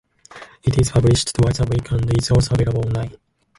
It is published twice a week and is also available online.